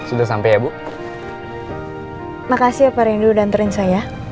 udah sampai jakarta ya